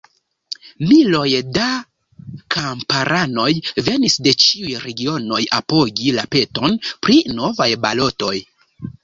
Miloj da kamparanoj venis de ĉiuj regionoj apogi la peton pri novaj balotoj.